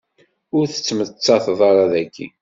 Ur tettemmateḍ ara daki.